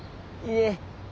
いえ。